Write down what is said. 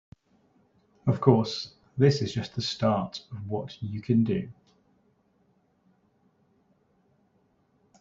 Of course, this is just the start of what you can do.